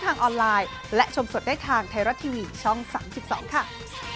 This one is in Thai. บรรเทิร์นบรรเทิร์นไทยรัก